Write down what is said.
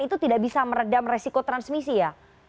itu tidak bisa meredam resiko transmisi ya